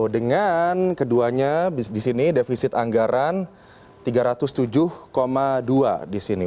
dengan keduanya disini defisit anggaran tiga ratus tujuh dua disini